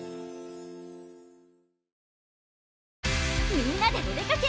みんなでお出かけ！